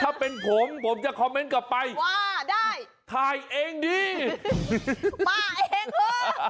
ถ้าเป็นผมผมจะคอมเมนต์กลับไปว่าได้ถ่ายเองดีมาเองเถอะ